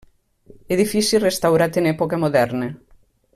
Edifici restaurat en època moderna.